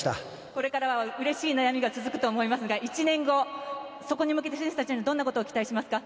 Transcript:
これからはうれしい悩みが続くと思いますが１年後そこに向けて、選手たちにどんなことを期待しますか。